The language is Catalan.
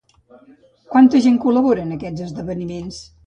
Quanta gent col·labora en aquests esdeveniments?